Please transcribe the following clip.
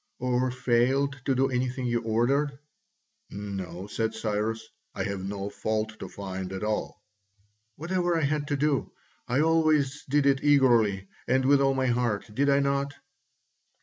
"Or failed to do anything you ordered?" "No," said Cyrus, "I have no fault to find at all." "Whatever I had to do, I always did it eagerly and with all my heart, did I not?"